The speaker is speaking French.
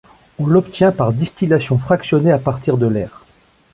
On l'obtient par distillation fractionnée à partir de l'air.